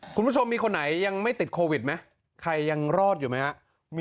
คุณผู้ชมมีคนไหนยังไม่ติดโควิดไหมใครยังรอดอยู่ไหมครับ